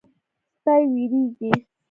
سپي وېرېږي.